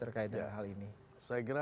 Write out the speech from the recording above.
eropah indonesia bli mereka merah